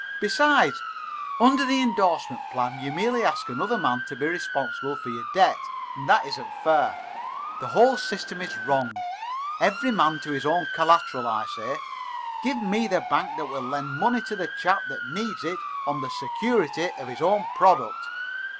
"Besides, under the indorsement plan you merely ask another man to be responsible for your debt, and that isn't fair. The whole system is wrong. Every man to his own collateral, I say. Give me the bank that will lend money to the chap that needs it on the security of his own product. Mr.